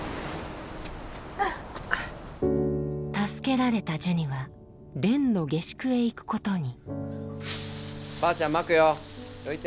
助けられたジュニは蓮の下宿へ行くことにばあちゃんまくよ。どいて。